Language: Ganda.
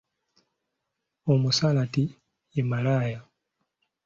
Omusalati ye malaaya.